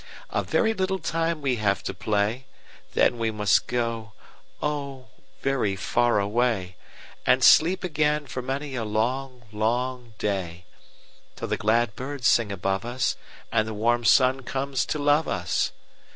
"A very little time we have to play, Then must we go, oh, very far away, And sleep again for many a long, long day, Till the glad birds sing above us, And the warm sun comes to love us.